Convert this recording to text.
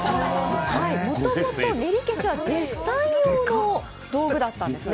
もともとねりけしはデッサン用の道具だったんですね。